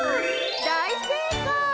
だいせいかい！